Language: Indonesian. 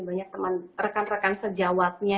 banyak teman rekan rekan sejawatnya